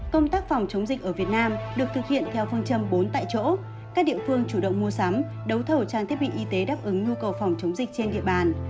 công tác phòng chống dịch ở việt nam được thực hiện theo phương châm bốn tại chỗ các địa phương chủ động mua sắm đấu thầu trang thiết bị y tế đáp ứng nhu cầu phòng chống dịch trên địa bàn